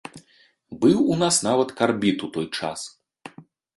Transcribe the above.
Быў у нас нават карбід у той час.